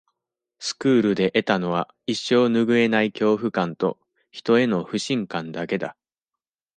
スクールで得たのは、一生ぬぐえない恐怖感と、人への不信感だけだ。